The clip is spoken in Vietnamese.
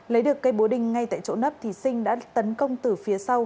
lấy được cây búa đinh ngay tại chỗ nấp thì sinh đã tấn công từ phía sau